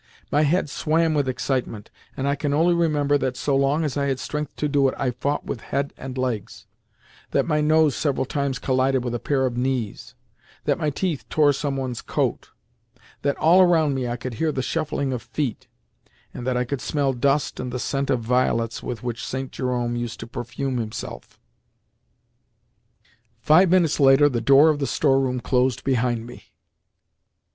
My head swam with excitement, and I can only remember that, so long as I had strength to do it, I fought with head and legs; that my nose several times collided with a pair of knees; that my teeth tore some one's coat; that all around me I could hear the shuffling of feet; and that I could smell dust and the scent of violets with which St. Jerome used to perfume himself. Five minutes later the door of the store room closed behind me.